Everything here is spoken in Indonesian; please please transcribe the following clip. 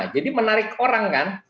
jadi menarik orang kan